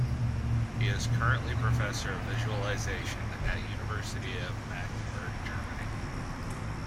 He is currently professor of visualization at University of Magdeburg, Germany.